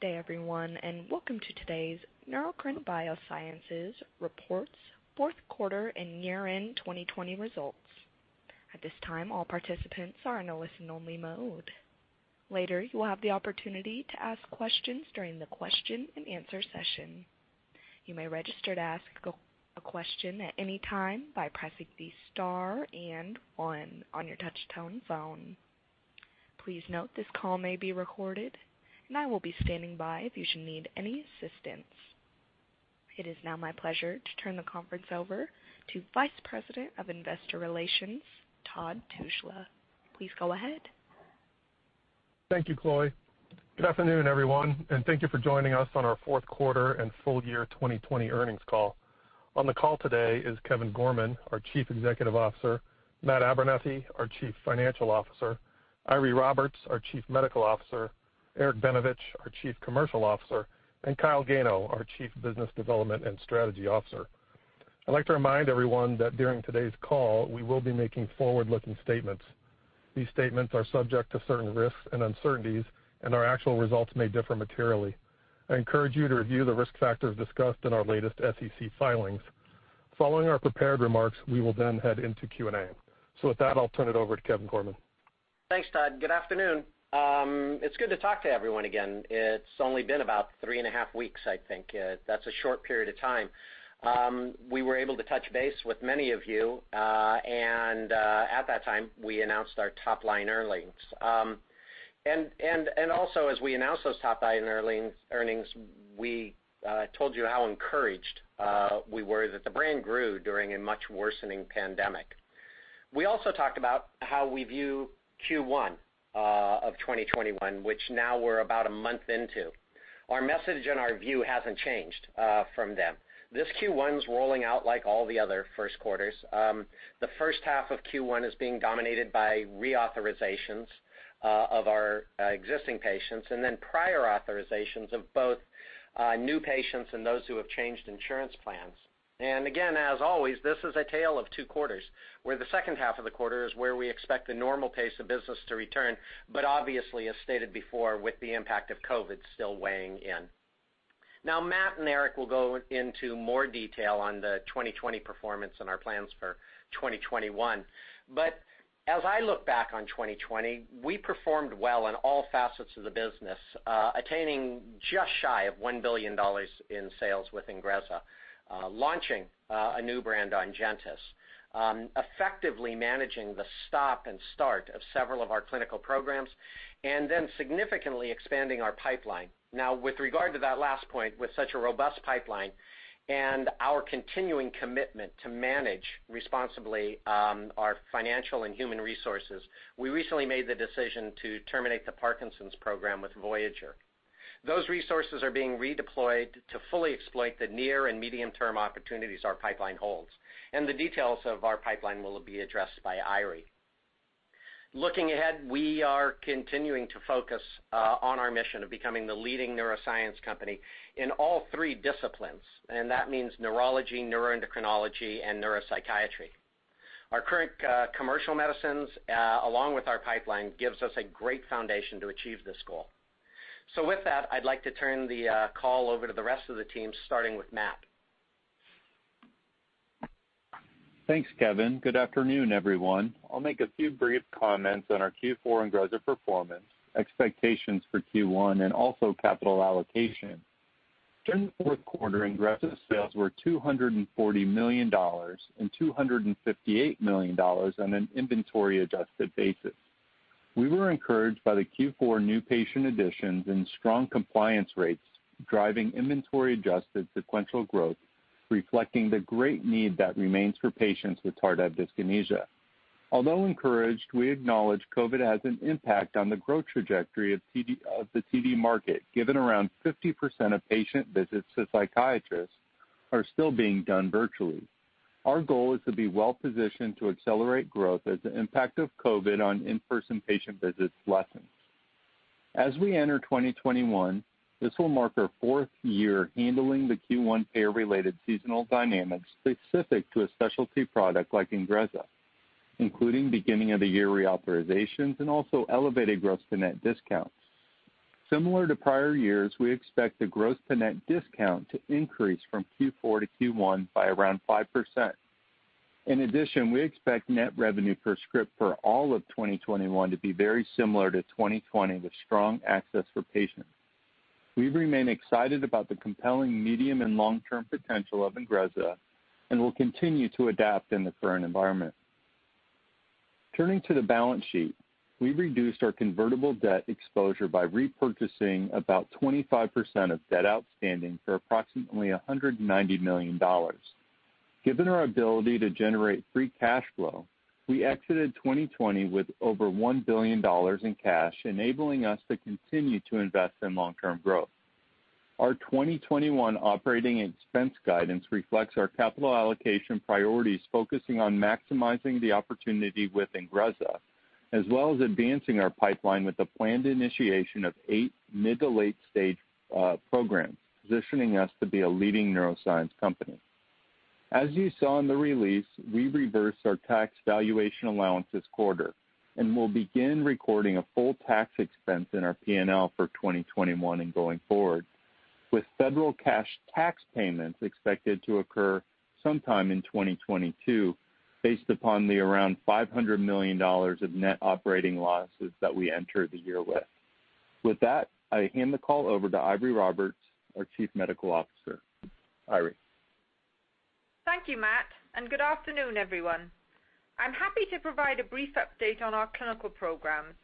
Good day everyone. Welcome to today's Neurocrine Biosciences Reports Fourth Quarter and Year-End 2020 Results. At this time, all participants are in a listen-only mode. Later, you will have the opportunity to ask questions during the question and answer session. You may register to ask a question at any time by pressing the star and one on your touchtone phone. Please note this call may be recorded, and I will be standing by if you need any assistance. It is now my pleasure to turn the conference over to Vice President of Investor Relations, Todd Tushla. Please go ahead. Thank you, Chloe. Good afternoon, everyone, and thank you for joining us on our fourth quarter and full year 2020 earnings call. On the call today is Kevin Gorman, our Chief Executive Officer, Matt Abernethy, our Chief Financial Officer, Eiry Roberts, our Chief Medical Officer, Eric Benevich, our Chief Commercial Officer, and Kyle Gano, our Chief Business Development and Strategy Officer. I'd like to remind everyone that during today's call, we will be making forward-looking statements. These statements are subject to certain risks and uncertainties, and our actual results may differ materially. I encourage you to review the risk factors discussed in our latest SEC filings. Following our prepared remarks, we will head into Q&A. With that, I'll turn it over to Kevin Gorman. Thanks, Todd. Good afternoon. It's good to talk to everyone again. It's only been about three and a half weeks, I think. That's a short period of time. We were able to touch base with many of you, and at that time, we announced our top-line earnings. Also, as we announced those top-line earnings, we told you how encouraged we were that the brand grew during a much worsening pandemic. We also talked about how we view Q1 of 2021, which now we're about a month into. Our message and our view hasn't changed from them. This Q1's rolling out like all the other first quarters. The first half of Q1 is being dominated by reauthorizations of our existing patients, and then prior authorizations of both new patients and those who have changed insurance plans. Again, as always, this is a tale of two quarters, where the second half of the quarter is where we expect the normal pace of business to return. Obviously, as stated before, with the impact of COVID still weighing in. Matt and Eric will go into more detail on the 2020 performance and our plans for 2021. As I look back on 2020, we performed well in all facets of the business, attaining just shy of $1 billion in sales with INGREZZA, launching a new brand ONGENTYS, effectively managing the stop and start of several of our clinical programs, and then significantly expanding our pipeline. With regard to that last point, with such a robust pipeline and our continuing commitment to manage responsibly our financial and human resources, we recently made the decision to terminate the Parkinson's program with Voyager. Those resources are being redeployed to fully exploit the near and medium-term opportunities our pipeline holds, and the details of our pipeline will be addressed by Eiry. Looking ahead, we are continuing to focus on our mission of becoming the leading neuroscience company in all three disciplines, and that means neurology, neuroendocrinology, and neuropsychiatry. Our current commercial medicines, along with our pipeline, gives us a great foundation to achieve this goal. With that, I'd like to turn the call over to the rest of the team, starting with Matt. Thanks, Kevin. Good afternoon, everyone. I'll make a few brief comments on our Q4 INGREZZA performance, expectations for Q1, and also capital allocation. During the fourth quarter, INGREZZA sales were $240 million, and $258 million on an inventory adjusted basis. We were encouraged by the Q4 new patient additions and strong compliance rates driving inventory adjusted sequential growth, reflecting the great need that remains for patients with tardive dyskinesia. We acknowledge COVID has an impact on the growth trajectory of the TD market, given around 50% of patient visits to psychiatrists are still being done virtually. Our goal is to be well positioned to accelerate growth as the impact of COVID on in-person patient visits lessens. As we enter 2021, this will mark our fourth year handling the Q1 payer-related seasonal dynamics specific to a specialty product like INGREZZA, including beginning of the year reauthorizations and also elevated gross to net discounts. Similar to prior years, we expect the gross to net discount to increase from Q4 to Q1 by around 5%. We expect net revenue per script for all of 2021 to be very similar to 2020, with strong access for patients. We remain excited about the compelling medium and long-term potential of INGREZZA, and will continue to adapt in the current environment. Turning to the balance sheet, we reduced our convertible debt exposure by repurchasing about 25% of debt outstanding for approximately $190 million. Given our ability to generate free cash flow, we exited 2020 with over $1 billion in cash, enabling us to continue to invest in long-term growth. Our 2021 operating expense guidance reflects our capital allocation priorities, focusing on maximizing the opportunity with INGREZZA, as well as advancing our pipeline with the planned initiation of eight mid to late-stage programs, positioning us to be a leading neuroscience company. As you saw in the release, we reversed our tax valuation allowance this quarter and will begin recording a full tax expense in our P&L for 2021 and going forward, with federal cash tax payments expected to occur sometime in 2022, based upon the around $500 million of net operating losses that we entered the year with. With that, I hand the call over to Eiry Roberts, our Chief Medical Officer. Eiry. Thank you, Matt. Good afternoon, everyone. I'm happy to provide a brief update on our clinical programs.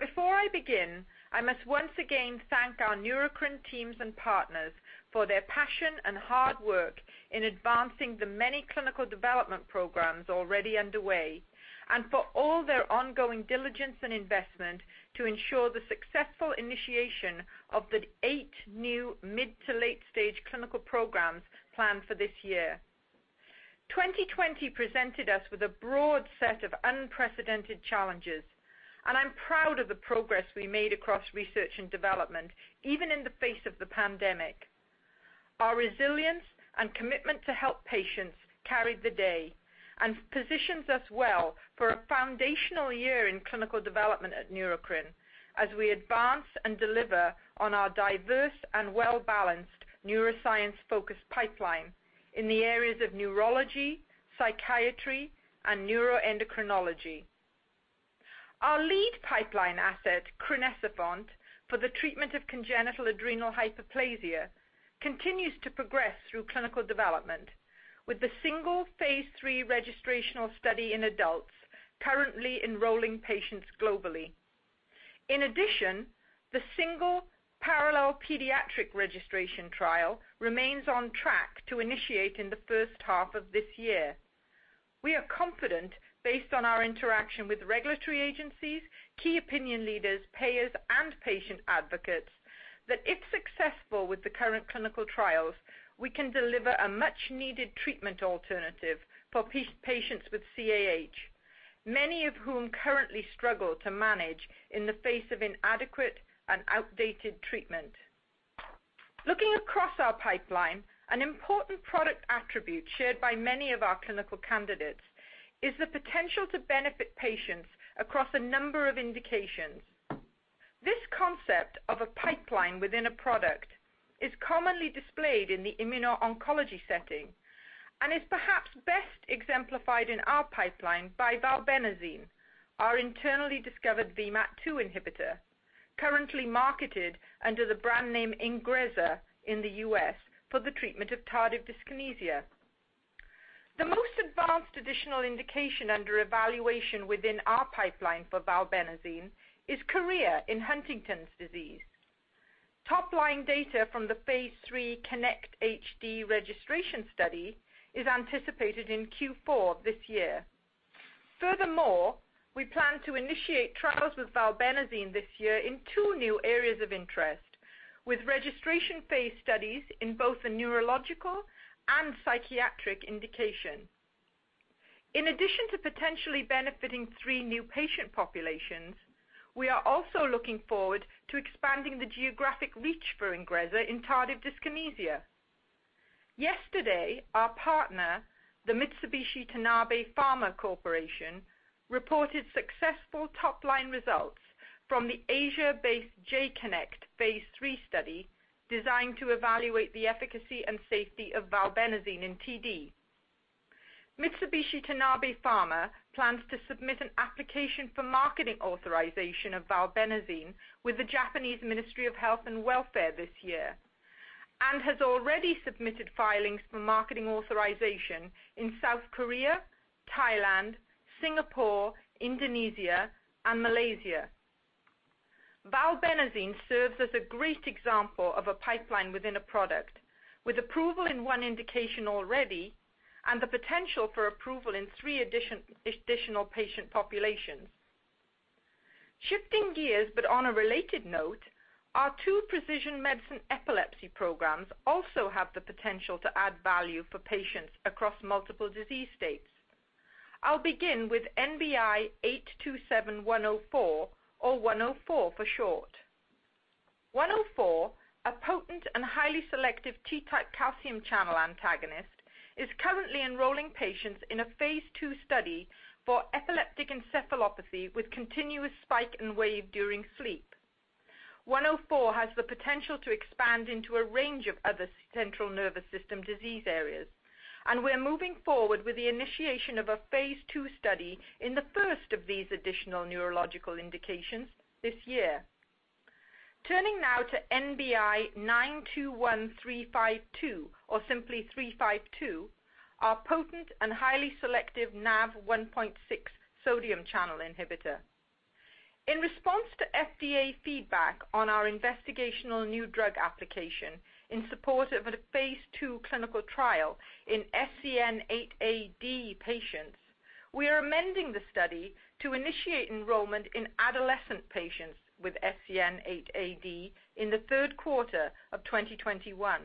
Before I begin, I must once again thank our Neurocrine teams and partners for their passion and hard work in advancing the many clinical development programs already underway and for all their ongoing diligence and investment to ensure the successful initiation of the eight new mid to late-stage clinical programs planned for this year. 2020 presented us with a broad set of unprecedented challenges, and I'm proud of the progress we made across research and development, even in the face of the pandemic. Our resilience and commitment to help patients carried the day and positions us well for a foundational year in clinical development at Neurocrine as we advance and deliver on our diverse and well-balanced neuroscience-focused pipeline in the areas of neurology, psychiatry, and neuroendocrinology. Our lead pipeline asset, crinecerfont, for the treatment of congenital adrenal hyperplasia, continues to progress through clinical development, with the single phase III registrational study in adults currently enrolling patients globally. In addition, the single parallel pediatric registration trial remains on track to initiate in the first half of this year. We are confident, based on our interaction with regulatory agencies, key opinion leaders, payers, and patient advocates, that if successful with the current clinical trials, we can deliver a much-needed treatment alternative for patients with CAH, many of whom currently struggle to manage in the face of inadequate and outdated treatment. Looking across our pipeline, an important product attribute shared by many of our clinical candidates is the potential to benefit patients across a number of indications. This concept of a pipeline within a product is commonly displayed in the immuno-oncology setting and is perhaps best exemplified in our pipeline by valbenazine, our internally discovered VMAT2 inhibitor, currently marketed under the brand name INGREZZA in the U.S. for the treatment of tardive dyskinesia. The most advanced additional indication under evaluation within our pipeline for valbenazine is chorea in Huntington's disease. Top-line data from the phase III KINECT-HD registration study is anticipated in Q4 this year. We plan to initiate trials with valbenazine this year in two new areas of interest, with registration phase studies in both the neurological and psychiatric indication. In addition to potentially benefiting three new patient populations, we are also looking forward to expanding the geographic reach for INGREZZA in tardive dyskinesia. Yesterday, our partner, the Mitsubishi Tanabe Pharma Corporation, reported successful top-line results from the Asia-based J-CONNECT phase III study designed to evaluate the efficacy and safety of valbenazine in TD. Mitsubishi Tanabe Pharma plans to submit an application for marketing authorization of valbenazine with the Japanese Ministry of Health and Welfare this year and has already submitted filings for marketing authorization in South Korea, Thailand, Singapore, Indonesia, and Malaysia. Valbenazine serves as a great example of a pipeline within a product, with approval in one indication already and the potential for approval in three additional patient populations. Shifting gears, on a related note, our two precision medicine epilepsy programs also have the potential to add value for patients across multiple disease states. I'll begin with NBI-827104 or 104 for short. 104, a potent and highly selective T-type calcium channel antagonist, is currently enrolling patients in a phase II study for epileptic encephalopathy with continuous spike and wave during sleep. 104 has the potential to expand into a range of other central nervous system disease areas, we're moving forward with the initiation of a phase II study in the first of these additional neurological indications this year. Turning now to NBI-921352, or simply 352, our potent and highly selective NaV1.6 sodium channel inhibitor. In response to FDA feedback on our investigational new drug application in support of a phase II clinical trial in SCN8A-DEE patients, we are amending the study to initiate enrollment in adolescent patients with SCN8A-DEE in the third quarter of 2021.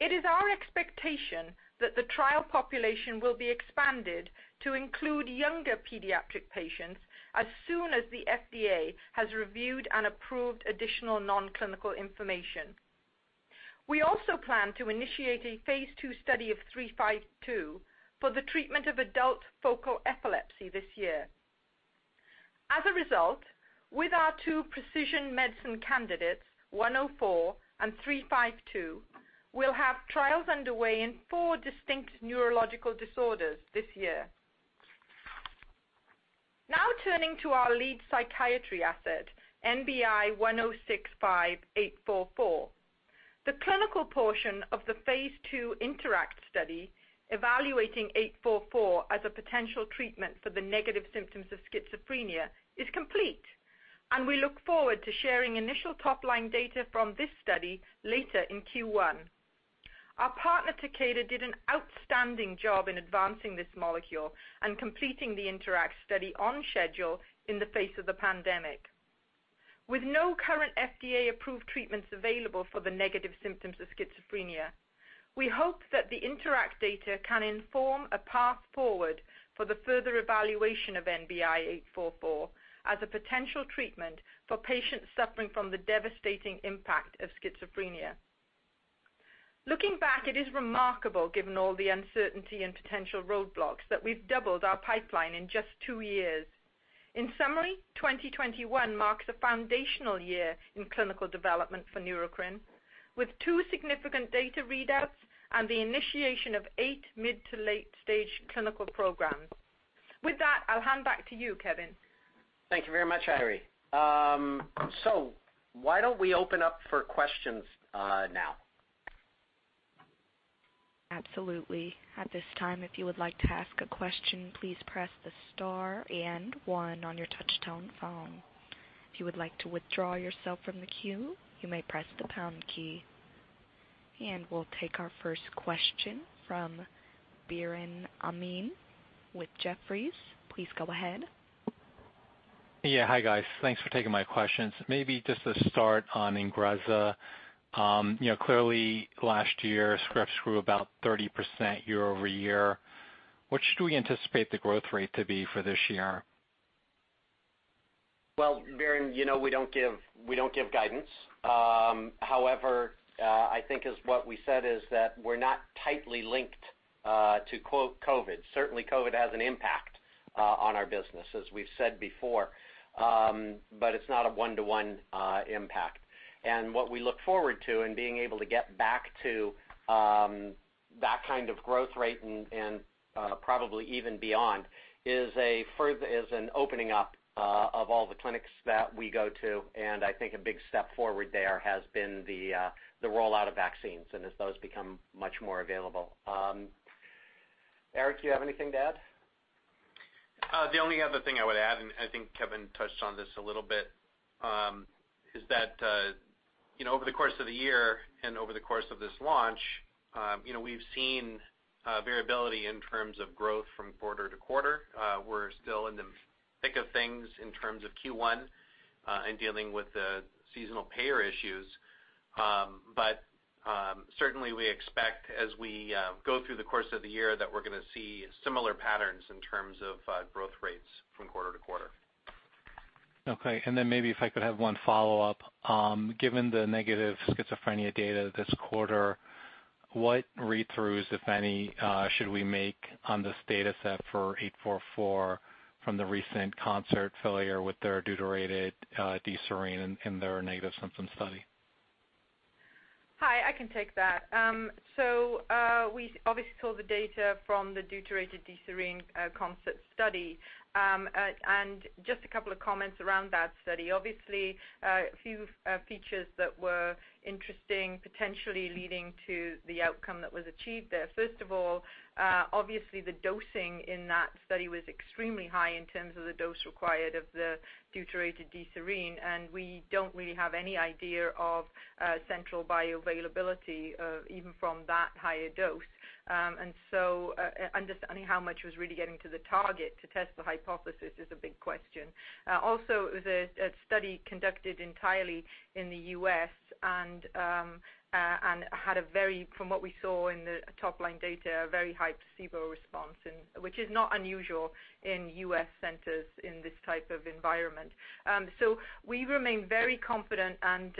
It is our expectation that the trial population will be expanded to include younger pediatric patients as soon as the FDA has reviewed and approved additional non-clinical information. We also plan to initiate a phase II study of 352 for the treatment of adult focal epilepsy this year. With our two precision medicine candidates, 104 and 352, we'll have trials underway in four distinct neurological disorders this year. Now turning to our lead psychiatry asset, NBI-1065844. The clinical portion of the phase II INTERACT study evaluating 844 as a potential treatment for the negative symptoms of schizophrenia is complete, and we look forward to sharing initial top-line data from this study later in Q1. Our partner, Takeda, did an outstanding job in advancing this molecule and completing the INTERACT study on schedule in the face of the pandemic. With no current FDA-approved treatments available for the negative symptoms of schizophrenia, we hope that the INTERACT data can inform a path forward for the further evaluation of NBI-844 as a potential treatment for patients suffering from the devastating impact of schizophrenia. Looking back, it is remarkable given all the uncertainty and potential roadblocks that we've doubled our pipeline in just two years. In summary, 2021 marks a foundational year in clinical development for Neurocrine, with two significant data readouts and the initiation of eight mid to late-stage clinical programs. With that, I'll hand back to you, Kevin. Thank you very much, Eiry. Why don't we open up for questions now? Absolutely. At this time, if you would like to ask a question, please press the star and one on your touch-tone phone. If you would like to withdraw yourself from the queue, you may press the pound key. We'll take our first question from Biren Amin with Jefferies. Please go ahead. Yeah. Hi, guys. Thanks for taking my questions. Maybe just to start on INGREZZA. Clearly last year, scripts grew about 30% year-over-year. What should we anticipate the growth rate to be for this year? Well, Biren, we don't give guidance. However, I think what we said is that we're not tightly linked to COVID. Certainly COVID has an impact on our business, as we've said before, but it's not a one-to-one impact. What we look forward to in being able to get back to that kind of growth rate and probably even beyond is an opening up of all the clinics that we go to. I think a big step forward there has been the rollout of vaccines and as those become much more available. Eric, do you have anything to add? The only other thing I would add, I think Kevin touched on this a little bit, is that over the course of the year and over the course of this launch, we've seen variability in terms of growth from quarter to quarter. We're still in the thick of things in terms of Q1, in dealing with the seasonal payer issues. Certainly, we expect as we go through the course of the year that we're going to see similar patterns in terms of growth rates from quarter to quarter. Okay. Maybe if I could have one follow-up. Given the negative schizophrenia data this quarter, what read-throughs, if any, should we make on this data set for 844 from the recent Concert failure with their deuterated D-serine in their negative symptom study? Hi, I can take that. We obviously saw the data from the deuterated D-serine Concert study. Just a couple of comments around that study. Obviously, a few features that were interesting, potentially leading to the outcome that was achieved there. First of all, obviously the dosing in that study was extremely high in terms of the dose required of the deuterated D-serine, and we don't really have any idea of central bioavailability even from that higher dose. Understanding how much was really getting to the target to test the hypothesis is a big question. Also, it was a study conducted entirely in the U.S. and had a very, from what we saw in the top-line data, a very high placebo response. Which is not unusual in U.S. centers in this type of environment. We remain very confident and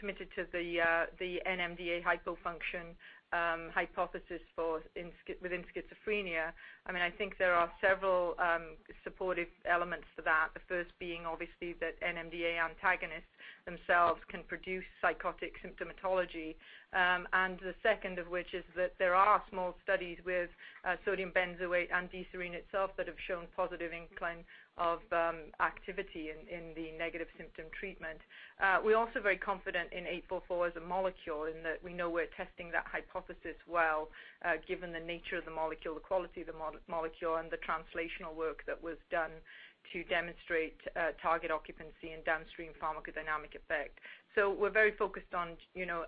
committed to the NMDA hypofunction hypothesis within schizophrenia. I think there are several supportive elements to that. The first being obviously that NMDA antagonists themselves can produce psychotic symptomatology. The second of which is that there are small studies with sodium benzoate and D-serine itself that have shown positive inclines of activity in the negative symptom treatment. We're also very confident in 844 as a molecule in that we know we're testing that hypothesis well given the nature of the molecule, the quality of the molecule, and the translational work that was done to demonstrate target occupancy and downstream pharmacodynamic effect. We're very focused on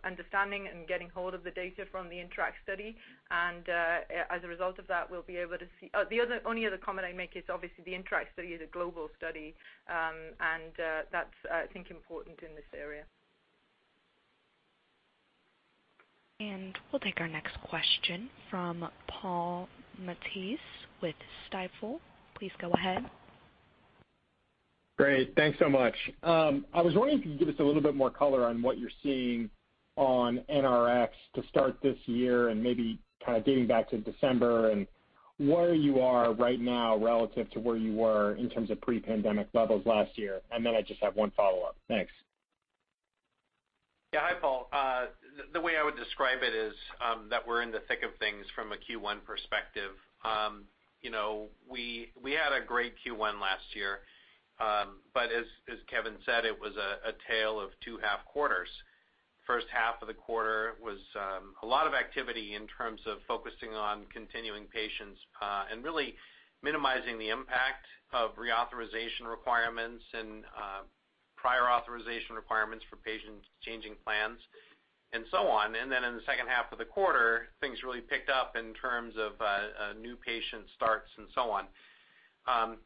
understanding and getting hold of the data from the INTERACT study. As a result of that, we'll be able to see. The only other comment I'd make is obviously the INTERACT study is a global study, and that's I think important in this area. We'll take our next question from Paul Matteis with Stifel. Please go ahead. Great. Thanks so much. I was wondering if you could give us a little bit more color on what you're seeing on NRX to start this year and maybe kind of dating back to December and where you are right now relative to where you were in terms of pre-pandemic levels last year. I just have one follow-up. Thanks. Yeah. Hi, Paul. The way I would describe it is that we're in the thick of things from a Q1 perspective. We had a great Q1 last year. As Kevin said, it was a tale of two half quarters. First half of the quarter was a lot of activity in terms of focusing on continuing patients, and really minimizing the impact of reauthorization requirements and prior authorization requirements for patients changing plans, and so on. In the second half of the quarter, things really picked up in terms of new patient starts and so on. It's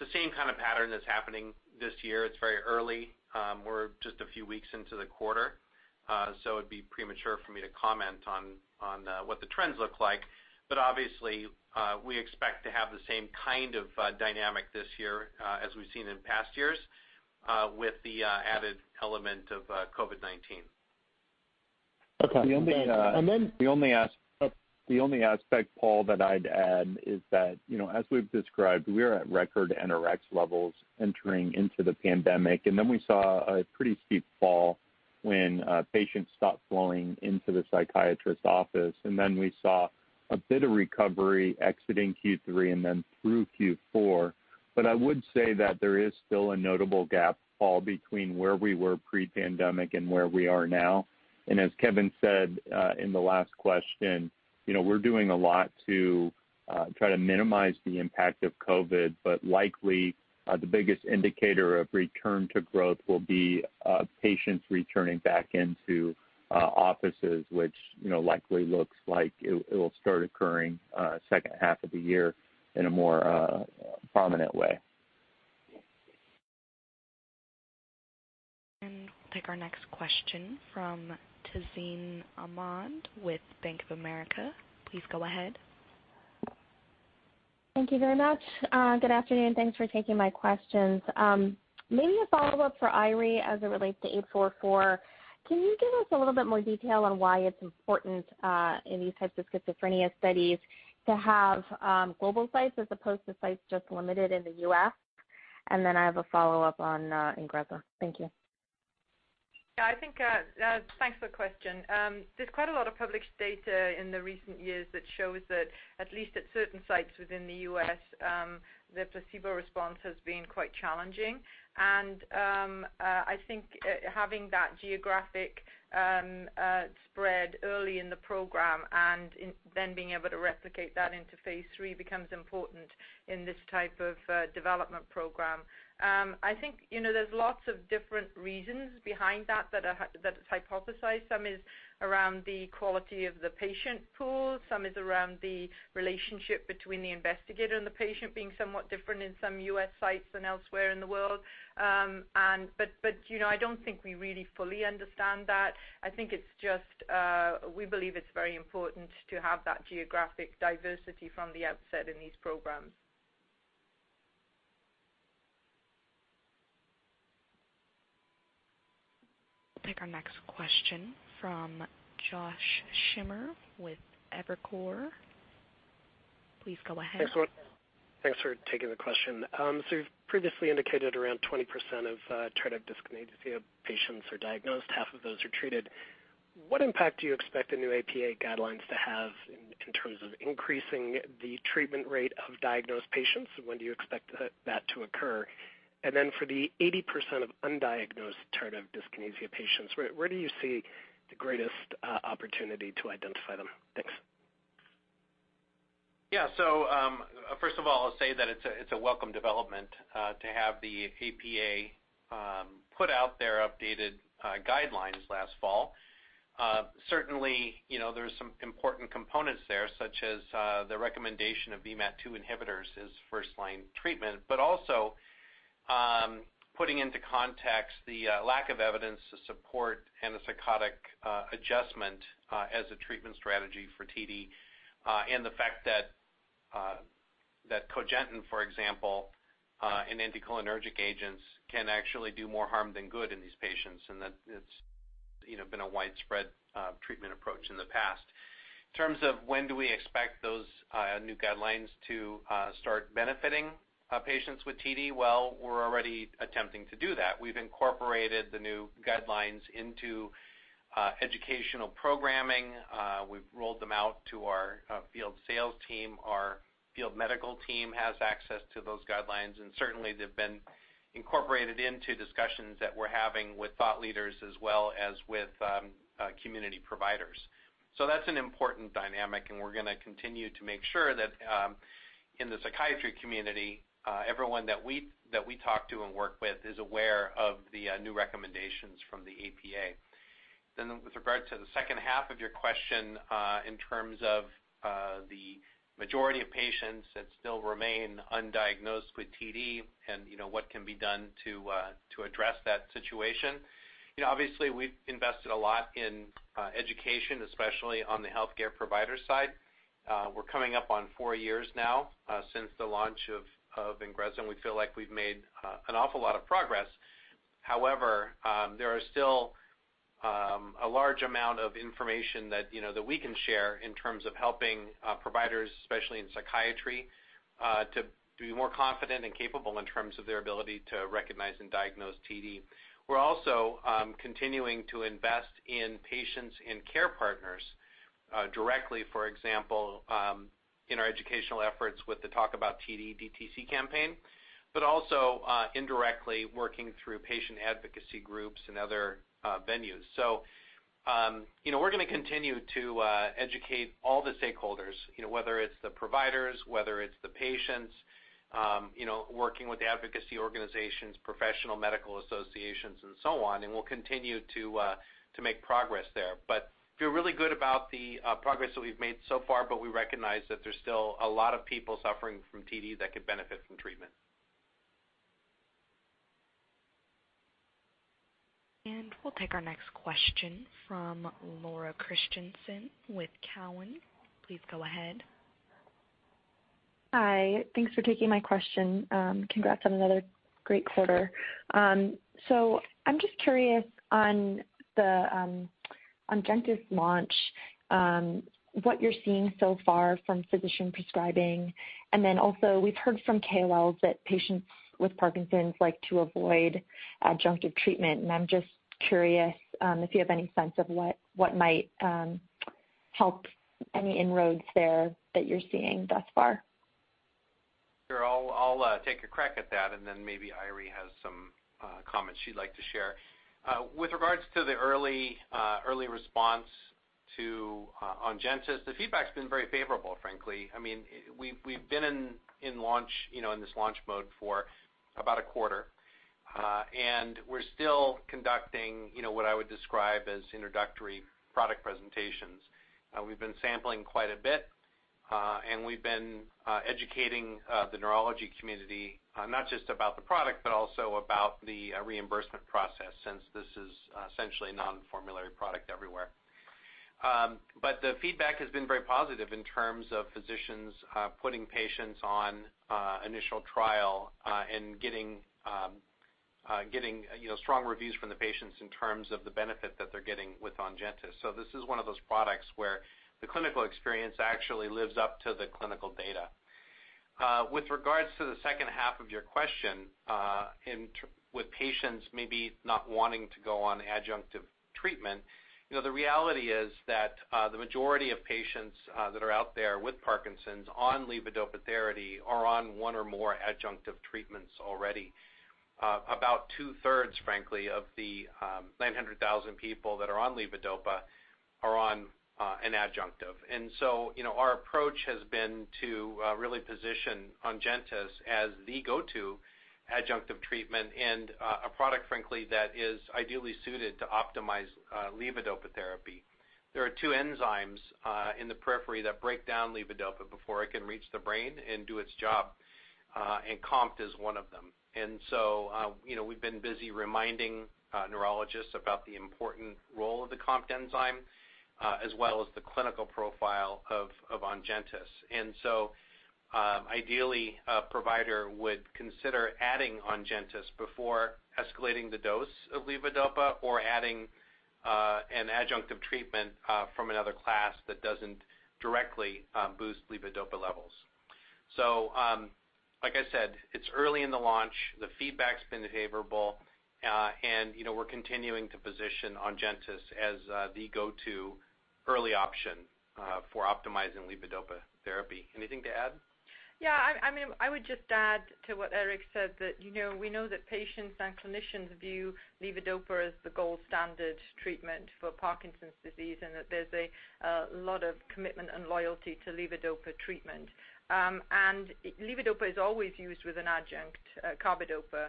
the same kind of pattern that's happening this year. It's very early. We're just a few weeks into the quarter, so it'd be premature for me to comment on what the trends look like. Obviously, we expect to have the same kind of dynamic this year as we've seen in past years with the added element of COVID-19. Okay. The only aspect, Paul, that I'd add is that, as we've described, we are at record NRX levels entering into the pandemic. Then we saw a pretty steep fall when patients stopped flowing into the psychiatrist office. Then we saw a bit of recovery exiting Q3 and then through Q4. I would say that there is still a notable gap, Paul, between where we were pre-pandemic and where we are now. As Kevin said in the last question, we're doing a lot to try to minimize the impact of COVID, but likely the biggest indicator of return to growth will be patients returning back into offices, which likely looks like it will start occurring second half of the year in a more prominent way. Take our next question from Tazeen Ahmad with Bank of America. Please go ahead. Thank you very much. Good afternoon. Thanks for taking my questions. Maybe a follow-up for Eiry as it relates to 844. Can you give us a little bit more detail on why it's important in these types of schizophrenia studies to have global sites as opposed to sites just limited in the U.S.? Then I have a follow-up on INGREZZA. Thank you. Yeah, thanks for the question. There's quite a lot of published data in the recent years that shows that at least at certain sites within the U.S., the placebo response has been quite challenging. I think having that geographic spread early in the program and then being able to replicate that into phase III becomes important in this type of development program. I think there's lots of different reasons behind that that's hypothesized. Some is around the quality of the patient pool, some is around the relationship between the investigator and the patient being somewhat different in some U.S. sites than elsewhere in the world. I don't think we really fully understand that. I think it's just we believe it's very important to have that geographic diversity from the outset in these programs. Take our next question from Josh Schimmer with Evercore. Please go ahead. Thanks for taking the question. You've previously indicated around 20% of tardive dyskinesia patients are diagnosed, half of those are treated. What impact do you expect the new APA guidelines to have in terms of increasing the treatment rate of diagnosed patients? When do you expect that to occur? For the 80% of undiagnosed tardive dyskinesia patients, where do you see the greatest opportunity to identify them? Thanks. First of all, I'll say that it's a welcome development to have the APA put out their updated guidelines last fall. Certainly, there's some important components there, such as the recommendation of VMAT2 inhibitors as first-line treatment, but also putting into context the lack of evidence to support antipsychotic adjustment as a treatment strategy for TD. The fact that Cogentin, for example, an anticholinergic agent, can actually do more harm than good in these patients and that it's been a widespread treatment approach in the past. In terms of when do we expect those new guidelines to start benefiting patients with TD? Well, we're already attempting to do that. We've incorporated the new guidelines into educational programming. We've rolled them out to our field sales team. Our field medical team has access to those guidelines, and certainly they've been incorporated into discussions that we're having with thought leaders as well as with community providers. That's an important dynamic, and we're going to continue to make sure that in the psychiatry community everyone that we talk to and work with is aware of the new recommendations from the APA. With regard to the second half of your question in terms of the majority of patients that still remain undiagnosed with TD and what can be done to address that situation. Obviously we've invested a lot in education, especially on the healthcare provider side. We're coming up on four years now since the launch of INGREZZA, and we feel like we've made an awful lot of progress. There are still a large amount of information that we can share in terms of helping providers, especially in psychiatry, to be more confident and capable in terms of their ability to recognize and diagnose TD. We're also continuing to invest in patients and care partners directly, for example, in our educational efforts with the Talk About TD DTC campaign, but also indirectly working through patient advocacy groups and other venues. We're going to continue to educate all the stakeholders, whether it's the providers, whether it's the patients, working with advocacy organizations, professional medical associations, and so on, and we'll continue to make progress there. We feel really good about the progress that we've made so far, but we recognize that there's still a lot of people suffering from TD that could benefit from treatment. We'll take our next question from Laura Christianson with Cowen. Please go ahead. Hi. Thanks for taking my question. Congrats on another great quarter. I'm just curious on ONGENTYS's launch, what you're seeing so far from physician prescribing. Also, we've heard from KOLs that patients with Parkinson's like to avoid adjunctive treatment, and I'm just curious if you have any sense of what might help any inroads there that you're seeing thus far. Sure. I'll take a crack at that, and then maybe Eiry has some comments she'd like to share. With regards to the early response to ONGENTYS, the feedback's been very favorable, frankly. We're still conducting what I would describe as introductory product presentations. We've been sampling quite a bit, and we've been educating the neurology community, not just about the product, but also about the reimbursement process, since this is essentially a non-formulary product everywhere. The feedback has been very positive in terms of physicians putting patients on initial trial, and getting strong reviews from the patients in terms of the benefit that they're getting with ONGENTYS. This is one of those products where the clinical experience actually lives up to the clinical data. With regards to the second half of your question, with patients maybe not wanting to go on adjunctive treatment, the reality is that the majority of patients that are out there with Parkinson's on levodopa therapy are on one or more adjunctive treatments already. About two-thirds, frankly, of the 900,000 people that are on levodopa are on an adjunctive. Our approach has been to really position ONGENTYS as the go-to adjunctive treatment and a product, frankly, that is ideally suited to optimize levodopa therapy. There are two enzymes in the periphery that break down levodopa before it can reach the brain and do its job, and COMT is one of them. We've been busy reminding neurologists about the important role of the COMT enzyme, as well as the clinical profile of ONGENTYS. Ideally, a provider would consider adding ONGENTYS before escalating the dose of levodopa or adding an adjunctive treatment from another class that doesn't directly boost levodopa levels. Like I said, it's early in the launch. The feedback's been favorable. We're continuing to position ONGENTYS as the go-to early option for optimizing levodopa therapy. Anything to add? Yeah. I would just add to what Eric said that we know that patients and clinicians view levodopa as the gold standard treatment for Parkinson's disease, and that there's a lot of commitment and loyalty to levodopa treatment. Levodopa is always used with an adjunct carbidopa,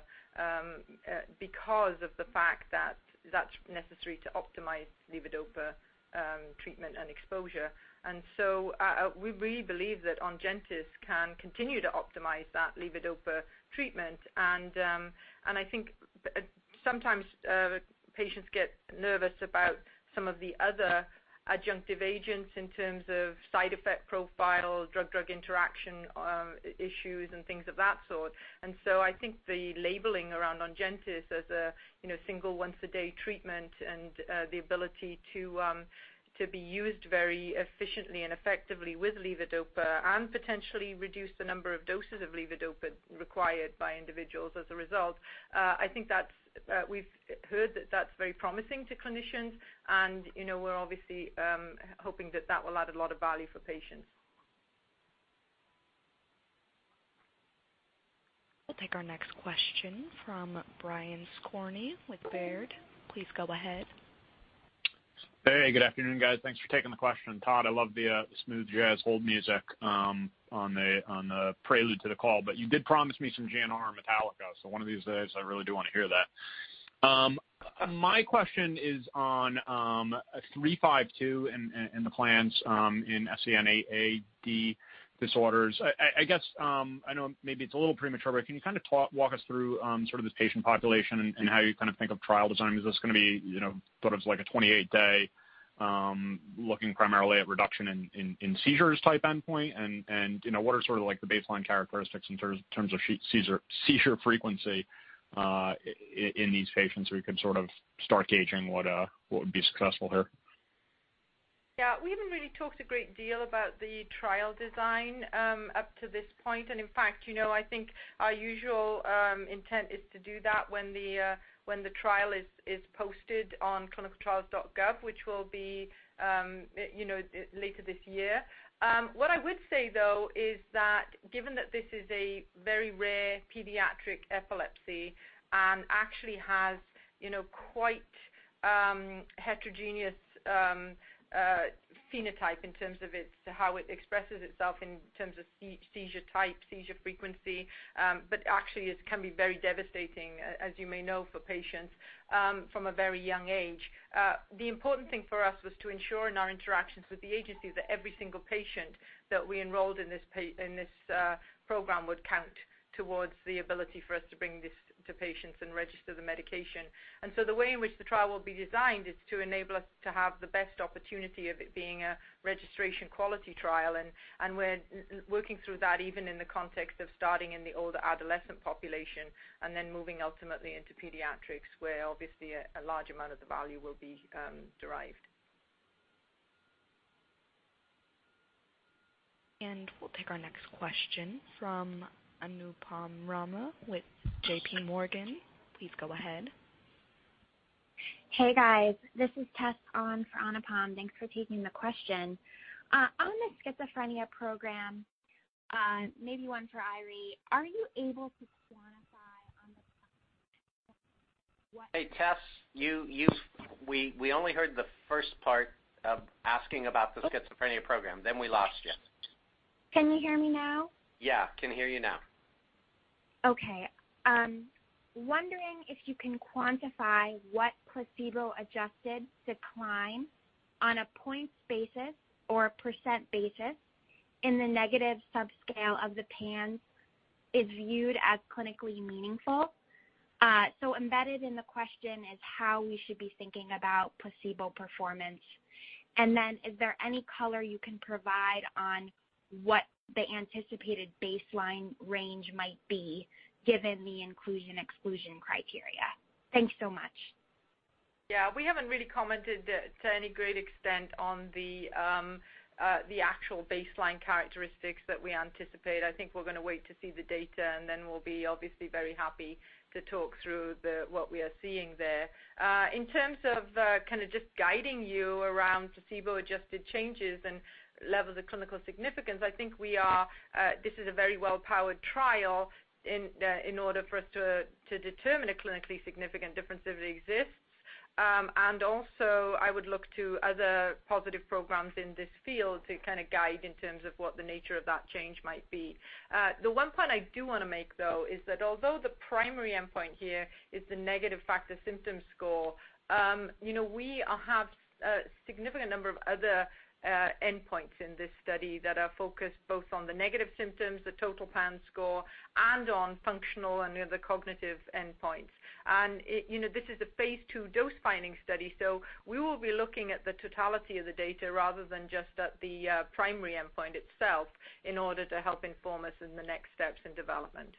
because of the fact that that's necessary to optimize levodopa treatment and exposure. We really believe that ONGENTYS can continue to optimize that levodopa treatment. I think sometimes patients get nervous about some of the other adjunctive agents in terms of side effect profile, drug-drug interaction issues, and things of that sort. I think the labeling around ONGENTYS as a single once-a-day treatment and the ability to be used very efficiently and effectively with levodopa and potentially reduce the number of doses of levodopa required by individuals as a result, I think that we've heard that that's very promising to clinicians, and we're obviously hoping that that will add a lot of value for patients. We'll take our next question from Brian Skorney with Baird. Please go ahead. Hey, good afternoon, guys. Thanks for taking the question. Todd, I love the smooth jazz hold music on the prelude to the call. You did promise me some Jan Hammer Metallica. One of these days, I really do want to hear that. My question is on 352 and the plans in SCN8A-DEE disorders. I know maybe it's a little premature, can you kind of walk us through sort of this patient population and how you kind of think of trial design? Is this going to be sort of like a 28-day looking primarily at reduction in seizures type endpoint and what are sort of the baseline characteristics in terms of seizure frequency in these patients so we can sort of start gauging what would be successful here? Yeah. We haven't really talked a great deal about the trial design up to this point. In fact, I think our usual intent is to do that when the trial is posted on clinicaltrials.gov, which will be later this year. What I would say though is that given that this is a very rare pediatric epilepsy and actually has quite heterogeneous phenotype in terms of how it expresses itself in terms of seizure type, seizure frequency. Actually it can be very devastating, as you may know, for patients from a very young age. The important thing for us was to ensure in our interactions with the agencies that every single patient that we enrolled in this program would count towards the ability for us to bring this to patients and register the medication. The way in which the trial will be designed is to enable us to have the best opportunity of it being a registration quality trial. We're working through that even in the context of starting in the older adolescent population and then moving ultimately into pediatrics, where obviously a large amount of the value will be derived. We'll take our next question from Anupam Rama with JPMorgan. Please go ahead. Hey, guys. This is Tessa on for Anupam. Thanks for taking the question. On the schizophrenia program, maybe one for Eiry. Are you able to quantify on the? Hey, Tessa. We only heard the first part of asking about the schizophrenia program, then we lost you. Can you hear me now? Yeah, can hear you now. Okay. Wondering if you can quantify what placebo-adjusted decline on a points basis or a percent basis in the negative subscale of the PANSS is viewed as clinically meaningful. Embedded in the question is how we should be thinking about placebo performance. Is there any color you can provide on what the anticipated baseline range might be given the inclusion-exclusion criteria? Thanks so much. Yeah. We haven't really commented to any great extent on the actual baseline characteristics that we anticipate. I think we're going to wait to see the data, and then we'll be obviously very happy to talk through what we are seeing there. In terms of kind of just guiding you around placebo-adjusted changes and levels of clinical significance, I think this is a very well-powered trial in order for us to determine a clinically significant difference if it exists. Also I would look to other positive programs in this field to kind of guide in terms of what the nature of that change might be. The one point I do want to make, though, is that although the primary endpoint here is the negative factor symptom score, we have a significant number of other endpoints in this study that are focused both on the negative symptoms, the total PANSS score, and on functional and the other cognitive endpoints. This is a phase II dose-finding study, we will be looking at the totality of the data rather than just at the primary endpoint itself in order to help inform us in the next steps in development.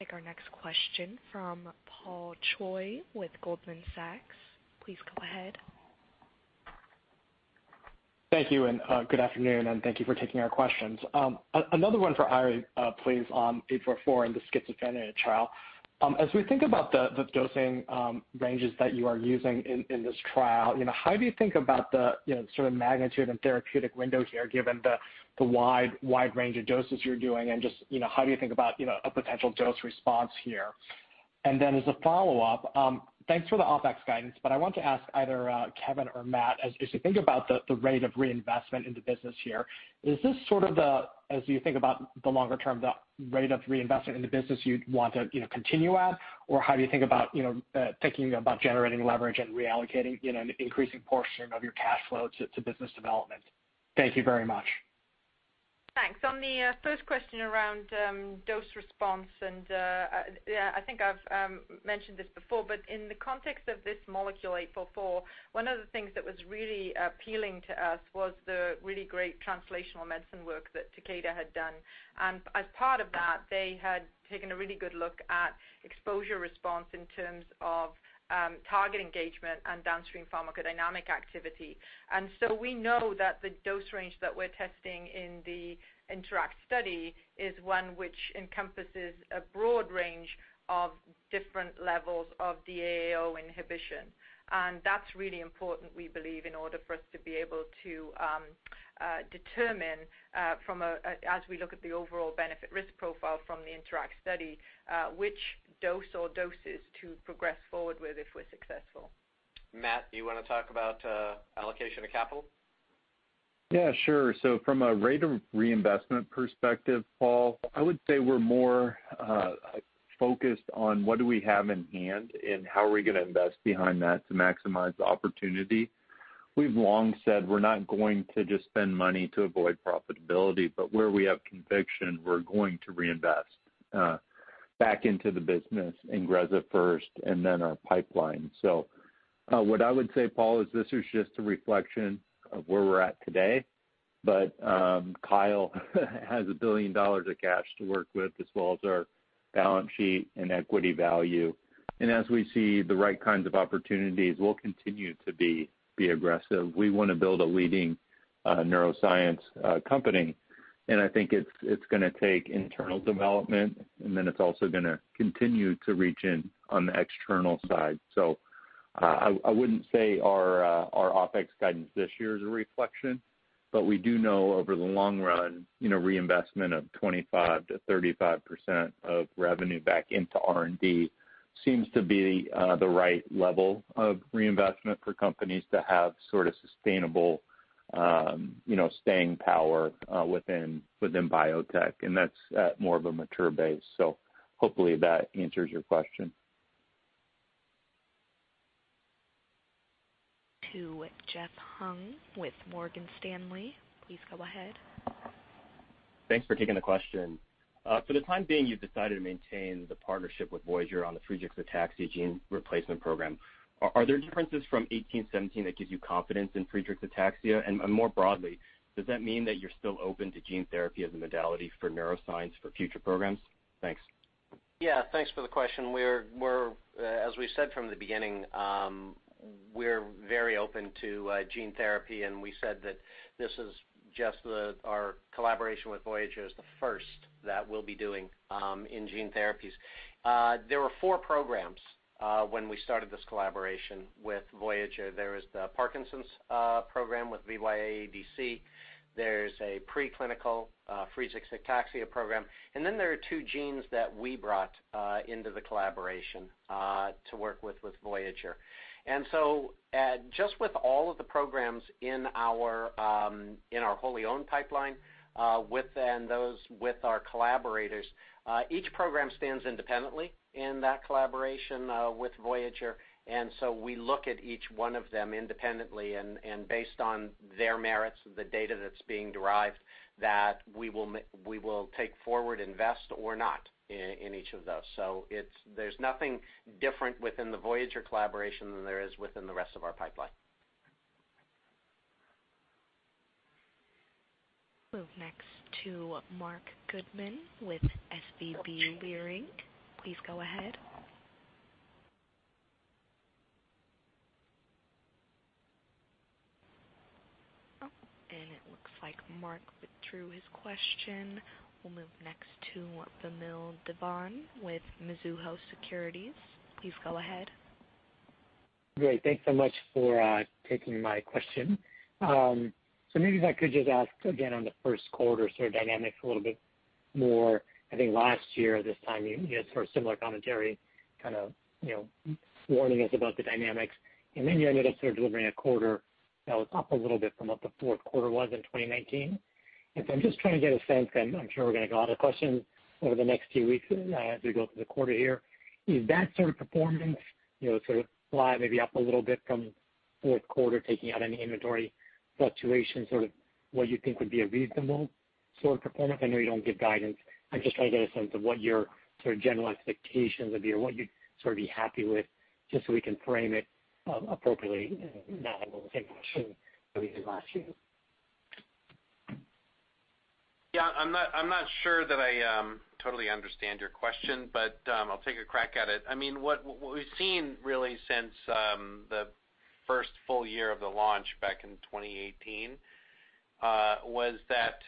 Take our next question from Paul Choi with Goldman Sachs. Please go ahead. Thank you. Good afternoon, and thank you for taking our questions. Another one for Eiry, please, on 844 and the schizophrenia trial. As we think about the dosing ranges that you are using in this trial, how do you think about the sort of magnitude and therapeutic window here given the wide range of doses you're doing and just how do you think about a potential dose response here? As a follow-up, thanks for the OpEx guidance, but I want to ask either Kevin or Matt, as you think about the rate of reinvestment in the business here, is this sort of the, as you think about the longer term, the rate of reinvestment in the business you'd want to continue at? Or how do you think about thinking about generating leverage and reallocating an increasing portion of your cash flow to business development? Thank you very much. Thanks. On the first question around dose response, I think I've mentioned this before, but in the context of this molecule 844, one of the things that was really appealing to us was the really great translational medicine work that Takeda had done. As part of that, they had taken a really good look at exposure response in terms of target engagement and downstream pharmacodynamic activity. We know that the dose range that we're testing in the INTERACT study is one which encompasses a broad range of different levels of the DAO inhibition. That's really important, we believe, in order for us to be able to determine as we look at the overall benefit risk profile from the INTERACT study, which dose or doses to progress forward with if we're successful. Matt, do you want to talk about allocation of capital? Yeah, sure. From a rate of reinvestment perspective, Paul, I would say we're more focused on what do we have in hand and how are we going to invest behind that to maximize opportunity. We've long said we're not going to just spend money to avoid profitability, but where we have conviction, we're going to reinvest back into the business, INGREZZA first and then our pipeline. What I would say, Paul, is this is just a reflection of where we're at today. Kyle has $1 billion of cash to work with, as well as our balance sheet and equity value. As we see the right kinds of opportunities, we'll continue to be aggressive. We want to build a leading neuroscience company. I think it's going to take internal development, and then it's also going to continue to reach in on the external side. I wouldn't say our OpEx guidance this year is a reflection, but we do know over the long run, reinvestment of 25%-35% of revenue back into R&D seems to be the right level of reinvestment for companies to have sustainable staying power within biotech, and that's at more of a mature base. Hopefully that answers your question. To Jeff Hung with Morgan Stanley. Please go ahead. Thanks for taking the question. For the time being, you've decided to maintain the partnership with Voyager on the Friedreich's ataxia gene replacement program. Are there differences from 1817 that give you confidence in Friedreich's ataxia? More broadly, does that mean that you're still open to gene therapy as a modality for neuroscience for future programs? Thanks. Yeah, thanks for the question. As we said from the beginning, we're very open to gene therapy, and we said that our collaboration with Voyager is the first that we'll be doing in gene therapies. There were four programs when we started this collaboration with Voyager. There is the Parkinson's program with VY-AADC. There's a pre-clinical Friedreich's ataxia program, and then there are two genes that we brought into the collaboration to work with Voyager. Just with all of the programs in our wholly owned pipeline and those with our collaborators, each program stands independently in that collaboration with Voyager. We look at each one of them independently and based on their merits, the data that's being derived that we will take forward, invest or not in each of those. There's nothing different within the Voyager collaboration than there is within the rest of our pipeline. Move next to Marc Goodman with SVB Leerink. Please go ahead. Oh, it looks like Marc withdrew his question. We'll move next to Vamil Divan with Mizuho Securities. Please go ahead. Great. Thanks so much for taking my question. Maybe if I could just ask again on the first quarter dynamics a little bit more. I think last year this time you had similar commentary, warning us about the dynamics, and then you ended up delivering a quarter that was up a little bit from what the fourth quarter was in 2019. I'm just trying to get a sense, and I'm sure we're going to get a lot of questions over the next few weeks as we go through the quarter here. Is that sort of performance, sort of flat, maybe up a little bit from fourth quarter, taking out any inventory fluctuation, sort of what you think would be a reasonable sort of performance? I know you don't give guidance. I'm just trying to get a sense of what your general expectations would be or what you'd sort of be happy with just so we can frame it appropriately now, given the same question at least as last year. Yeah, I'm not sure that I totally understand your question, but I'll take a crack at it. What we've seen really since the first full year of the launch back in 2018 was that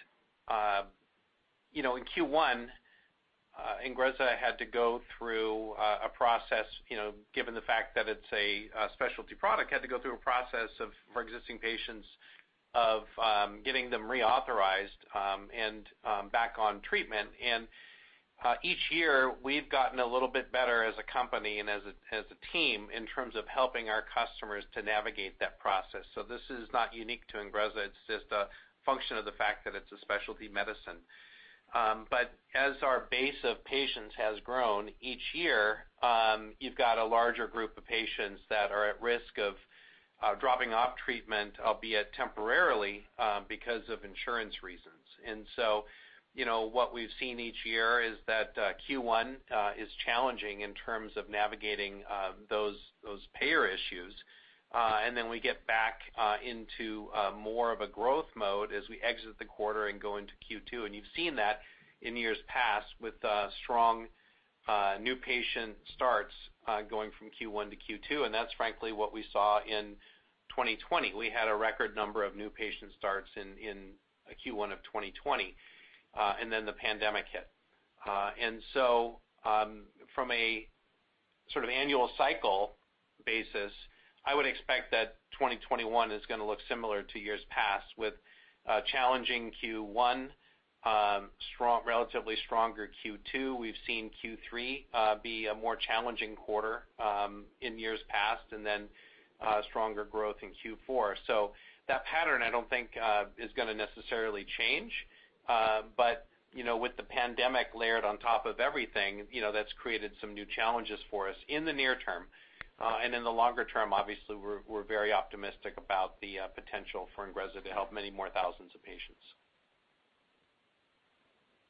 in Q1, INGREZZA had to go through a process, given the fact that it's a specialty product, had to go through a process for existing patients of getting them reauthorized and back on treatment. Each year we've gotten a little bit better as a company and as a team in terms of helping our customers to navigate that process. This is not unique to INGREZZA. It's just a function of the fact that it's a specialty medicine. As our base of patients has grown, each year you've got a larger group of patients that are at risk of dropping off treatment, albeit temporarily, because of insurance reasons. What we've seen each year is that Q1 is challenging in terms of navigating those payer issues. Then we get back into more of a growth mode as we exit the quarter and go into Q2. You've seen that in years past with strong new patient starts going from Q1 to Q2, and that's frankly what we saw in 2020. We had a record number of new patient starts in Q1 of 2020, and then the pandemic hit. From a sort of annual cycle basis, I would expect that 2021 is going to look similar to years past with a challenging Q1, relatively stronger Q2. We've seen Q3 be a more challenging quarter in years past and then stronger growth in Q4. That pattern I don't think is going to necessarily change. With the pandemic layered on top of everything, that's created some new challenges for us in the near term. In the longer term, obviously, we're very optimistic about the potential for INGREZZA to help many more thousands of patients.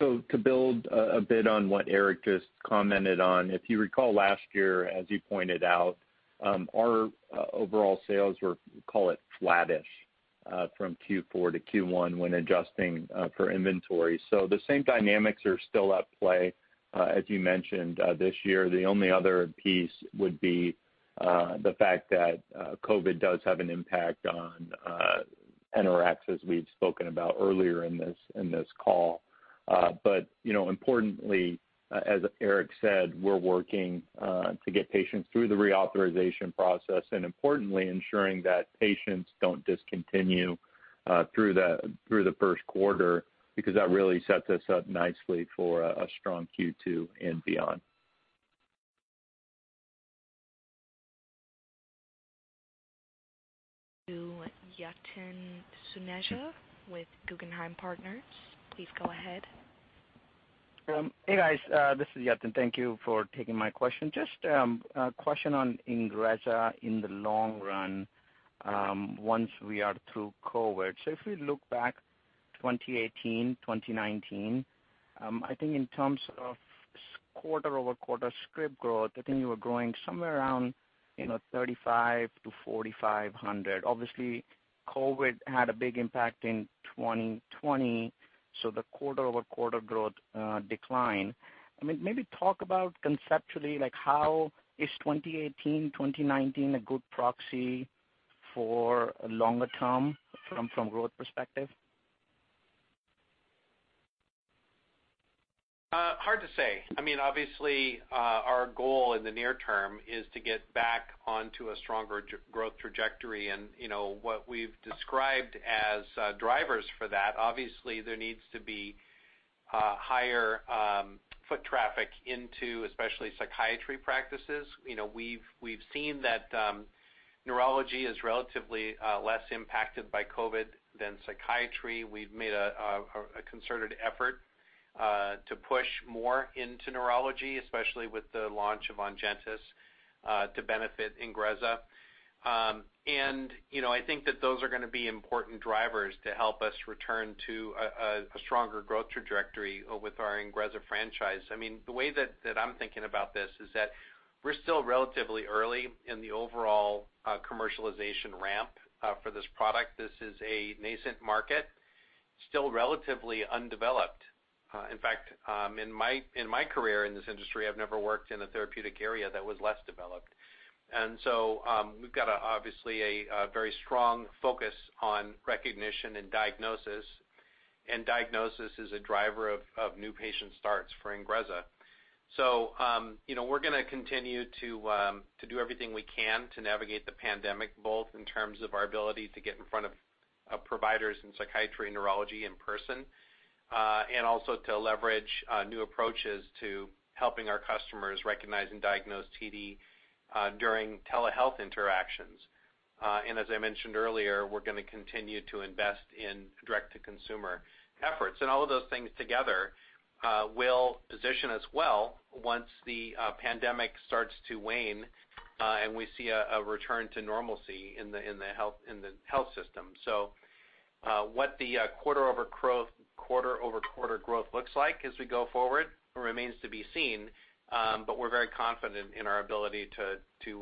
To build a bit on what Eric just commented on, if you recall last year, as you pointed out, our overall sales were, call it flattish from Q4 to Q1 when adjusting for inventory. The same dynamics are still at play as you mentioned this year. The only other piece would be the fact that COVID does have an impact on INTERACT, as we've spoken about earlier in this call. Importantly, as Eric said, we're working to get patients through the reauthorization process and importantly ensuring that patients don't discontinue through the first quarter because that really sets us up nicely for a strong Q2 and beyond. To Yatin Suneja with Guggenheim Partners. Please go ahead. Hey guys, this is Yatin. Thank you for taking my question. Just a question on INGREZZA in the long run once we are through COVID. If we look back 2018, 2019, I think in terms of quarter-over-quarter script growth, I think you were growing somewhere around 3,500 to 4,500. Obviously, COVID had a big impact in 2020, the quarter-over-quarter growth declined. Maybe talk about conceptually, how is 2018, 2019 a good proxy for longer term from growth perspective? Hard to say. Obviously, our goal in the near term is to get back onto a stronger growth trajectory and what we've described as drivers for that. Obviously, there needs to be higher foot traffic into especially psychiatry practices. We've seen that neurology is relatively less impacted by COVID than psychiatry. We've made a concerted effort to push more into neurology, especially with the launch of ONGENTYS to benefit INGREZZA. I think that those are going to be important drivers to help us return to a stronger growth trajectory with our INGREZZA franchise. The way that I'm thinking about this is that we're still relatively early in the overall commercialization ramp for this product. This is a nascent market, still relatively undeveloped. In fact, in my career in this industry, I've never worked in a therapeutic area that was less developed. We've got obviously a very strong focus on recognition and diagnosis, and diagnosis is a driver of new patient starts for INGREZZA. We're going to continue to do everything we can to navigate the pandemic, both in terms of our ability to get in front of providers in psychiatry and neurology in person, and also to leverage new approaches to helping our customers recognize and diagnose TD during telehealth interactions. As I mentioned earlier, we're going to continue to invest in direct-to-consumer efforts. All of those things together will position us well once the pandemic starts to wane and we see a return to normalcy in the health system. What the quarter-over-quarter growth looks like as we go forward remains to be seen, but we're very confident in our ability to